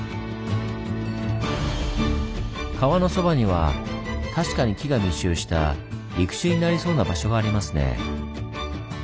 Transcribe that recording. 川のそばには確かに木が密集した陸地になりそうな場所がありますね。